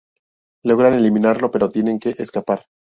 Logran eliminarlo pero tienen que escapar.